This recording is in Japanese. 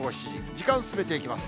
時間進めていきます。